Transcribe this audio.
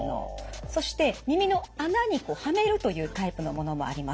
そして耳の穴にはめるというタイプのものもあります。